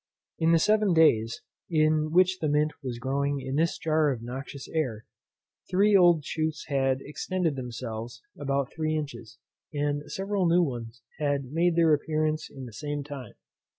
In the seven days, in which the mint was growing in this jar of noxious air, three old shoots had extended themselves about three inches, and several new ones had made their appearance in the same time.